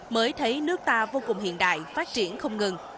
mới thấy nước ta vô cùng hiện đại phát triển không ngừng